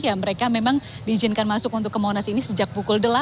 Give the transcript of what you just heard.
ya mereka memang diizinkan masuk untuk ke monas ini sejak pukul delapan